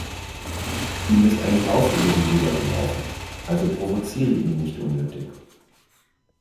Ihm ist eine Laus über die Leber gelaufen, also provoziere ihn nicht unnötig.